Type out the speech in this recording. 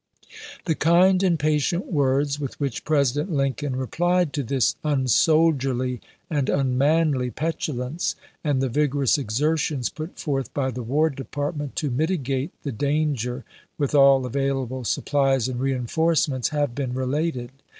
^^.\i." The kind and patient words with which Presi dent Lincoln replied to this unsoldierly and un manly petulance, and the vigorous exertions put forth by the War Department to mitigate the dan ger with all available supplies and reenforcements, have been related.